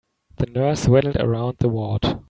The nurse waddled around the ward.